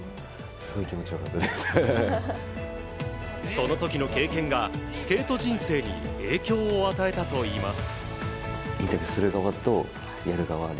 その時の経験がスケート人生に影響を与えたといいます。